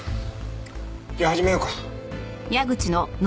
じゃあ始めようか。